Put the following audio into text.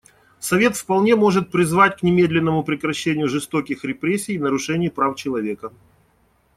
Совет вполне может призвать к немедленному прекращению жестоких репрессий и нарушений прав человека.